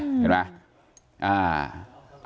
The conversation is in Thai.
เห็นไหม